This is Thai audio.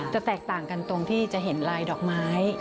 แตกต่างกันตรงที่จะเห็นลายดอกไม้